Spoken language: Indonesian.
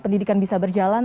pendidikan bisa berjalan